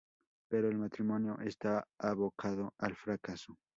Pero el matrimonio está abocado al fracaso.